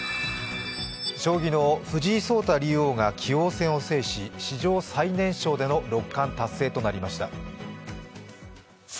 将棋の藤井聡太竜王が棋王戦を制し史上最年少での六冠達成となりました。